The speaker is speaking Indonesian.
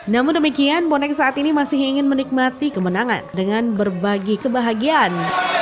namun demikian bonek saat ini masih ingin menikmati kemenangan dengan berbagi kebahagiaan